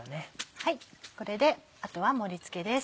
これであとは盛り付けです。